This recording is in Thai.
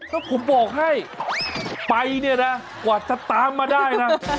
แล้วผมบอกให้ไปเนี่ยนะกว่าจะตามมาได้นะ